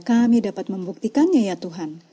kami dapat membuktikannya ya tuhan